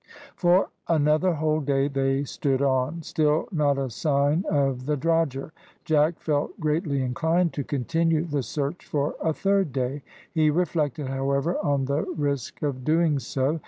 For another whole day they stood on. Still not a sign of the drogher. Jack felt greatly inclined to continue the search for a third day. He reflected, however, on the risk of doing so.